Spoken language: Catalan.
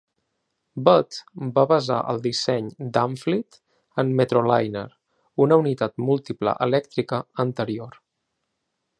Budd va basar el disseny d'Amfleet en Metroliner, una unitat múltiple elèctrica anterior.